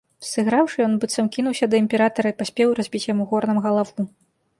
Сыграўшы, ён, быццам, кінуўся да імператара і паспеў разбіць яму горнам галаву.